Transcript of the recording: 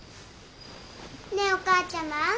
ねえお母ちゃま。